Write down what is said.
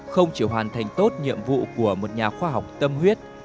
không chỉ hoàn thành tốt nhiệm vụ của một nhà khoa học tâm huyết